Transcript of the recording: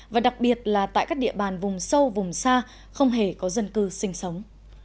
và đặc biệt là tại các địa bàn vùng sâu vùng xa không hề có dân cư sinh sống